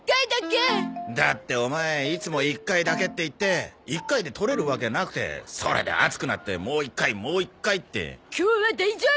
だってオマエいつも１回だけって言って１回で取れるわけなくてそれで熱くなってもう１回もう１回って。今日は大丈夫！